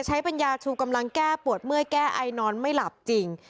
ใช้เป็นยาชูกำลังแก้ปวดเมื่อยแก้ไอนอนไม่หลับจริง